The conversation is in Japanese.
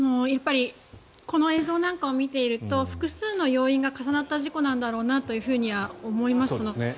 この映像なんかを見ていると複数の要因が重なった事故なんだろうなと思いますね。